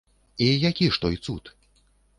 І які ж той цуд?